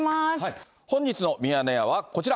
本日のミヤネ屋はこちら。